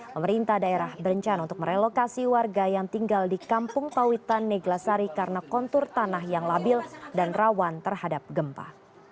pemerintah daerah berencana untuk merelokasi warga yang tinggal di kampung pawitan neglasari karena kontur tanah yang labil dan rawan terhadap gempa